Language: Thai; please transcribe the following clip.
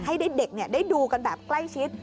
ให้เด็กได้ดูกันแบบใกล้ชิด